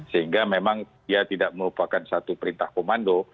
sehingga memang dia tidak merupakan satu perintah komando